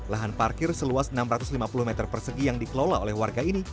lahan parkir seluas enam ratus lima puluh meter persegi yang dikelola oleh warga ini